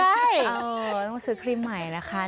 ใช่เราต้องซื้อครีมใหม่นะคะ